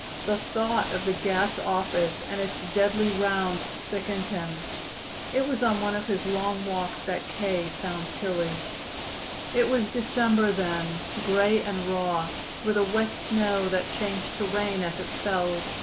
The thought of the gas office and its deadly round sickened him. It was on one of his long walks that K. found Tillie. It was December then, gray and raw, with a wet snow that changed to rain as it fell.